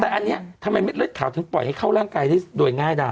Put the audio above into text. แต่อันนี้ทำไมเม็ดเลือดขาวถึงปล่อยให้เข้าร่างกายได้โดยง่ายได้